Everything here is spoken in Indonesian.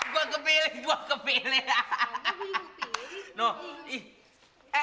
gue kepilih gue kepilih